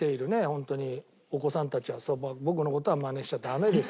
ホントにお子さんたちは僕の事はマネしちゃダメですけど。